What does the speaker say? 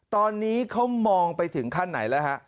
ตอนนี้เขามองไปถึงขั้นไหนแล้วฮะ